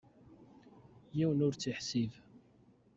Yiwen ur tt-iḥsib.